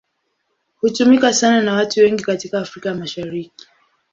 Hutumika sana na watu wengi katika Afrika ya Mashariki.